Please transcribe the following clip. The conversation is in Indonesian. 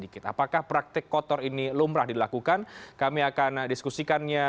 kita baru baru nanyain semua ini